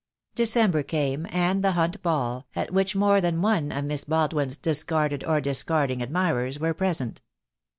December came, and the Hunt Ball, at which more than one of Miss Baldwin's discarded or discarding ad mirers were present.